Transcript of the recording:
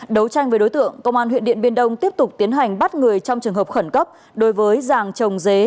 đấu tranh với đối tượng công an huyện điện biên đông tiếp tục tiến hành bắt người trong trường hợp khẩn cấp đối với giàng trồng dế